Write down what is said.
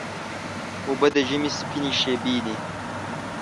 اوبه د ژمي سپینې شېبې دي.